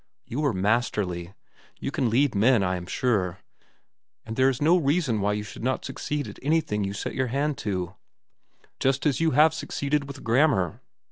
You are masterly. You can lead men, I am sure, and there is no reason why you should not succeed at anything you set your hand to, just as you have succeeded with grammar.